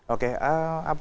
oke apa untuk apa